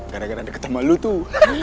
gara gara deket sama lu tuh